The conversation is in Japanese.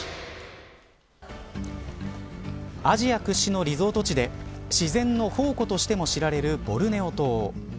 アジア屈指のリゾート地で自然の宝庫としても知られるボルネオ島。